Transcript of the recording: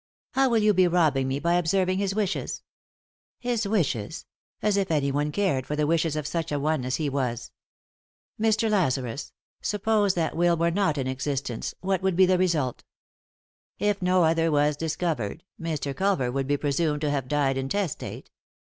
How will you be robbing me by observing his wishes ?"" His wishes I As if anyone cared for the wishes of such an one as he was 1 Mr. Lazarus, suppose that will were not in existence, what would be the result ?" "If no other was discovered, Mr. Culver would be presumed to have died intestate.